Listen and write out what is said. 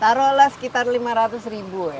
taruhlah sekitar lima ratus ribu ya